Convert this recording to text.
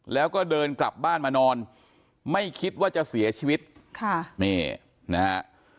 แล้วก็เดินกลับบ้านมานอนไม่คิดว่าจะเสียชีวิตค่ะนี่นะฮะ